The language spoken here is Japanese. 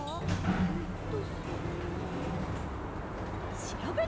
えっとそれはしらべてみます！